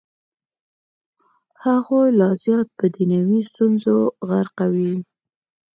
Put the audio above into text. هغوی لا زیات په دنیوي ستونزو غرقوي.